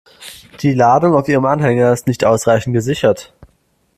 Die Ladung auf Ihrem Anhänger ist nicht ausreichend gesichert.